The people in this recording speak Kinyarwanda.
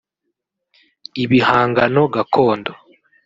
Ibihangano gakondo